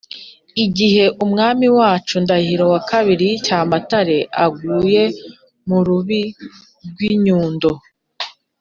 igihe umwami wacu ndahiro ii cyamatare aguye mu rubi rw’ inyundo,